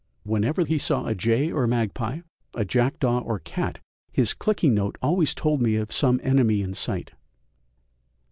Whenever he saw a jay or magpie, a jackdaw or cat, his clicking note always told me of some enemy in sight.